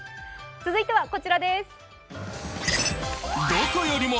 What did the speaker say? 続いては、こちらです。